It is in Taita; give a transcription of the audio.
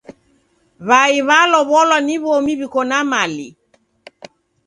W'ai w'alow'olwa ni w'omi w'iko na mali.